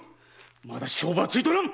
まだ勝負はついておらぬ！